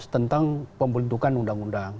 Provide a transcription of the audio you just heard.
tentang pembentukan undang undang